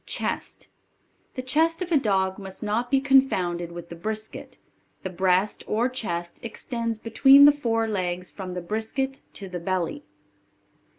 CHEST. The chest of a dog must not be confounded with the brisket; the breast or chest extends between the fore legs from the brisket to the belly.